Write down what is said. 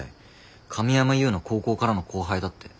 神山祐の高校からの後輩だって。